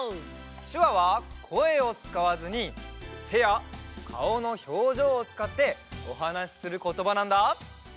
しゅわはこえをつかわずにてやかおのひょうじょうをつかっておはなしすることばなんだ。